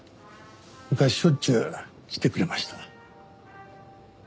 昔しょっちゅう来てくれました。